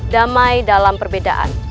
damai dalam perbedaan